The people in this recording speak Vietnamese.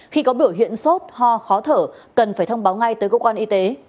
khi có biểu hiện sốt ho khó thở cần phải thông báo ngay tới cơ quan y tế